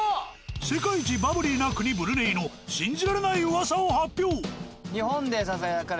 世界一バブリーな国ブルネイの信じられない噂を発表。